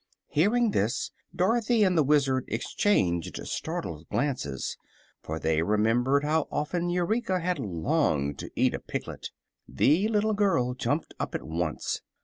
Hearing this, Dorothy and the Wizard exchanged startled glances, for they remembered how often Eureka had longed to eat a piglet. The little girl jumped up at once.